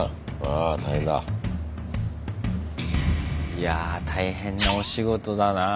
いや大変なお仕事だな。